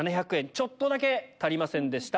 ちょっとだけ足りませんでした。